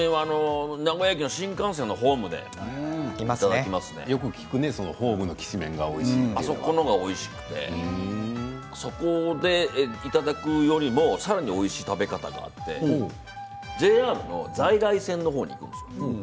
名古屋駅の新幹線のホームでよく聞くね、ホームのそこでいただくよりもさらにおいしい食べ方があってＪＲの在来線の方に行くんですよ。